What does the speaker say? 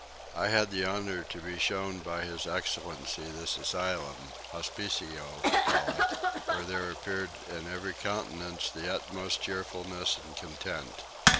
I had the honour to be shown by his excellency this asylum (Hospicio they call it) where there appeared in every countenance the utmost cheerfulness and content.